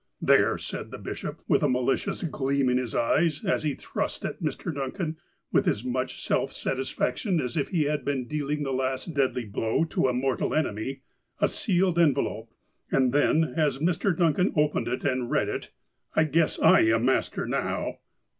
"There !" said the bishop, with a malicious gleam in his eyes, as he thrust at Mr. Duncan, '' with as much self satisfaction as if he had been dealing the last deadly blow to a mortal enemy," ' a sealed envelope, and then, as Mr. Duncan opened and read it :" I guess I am master now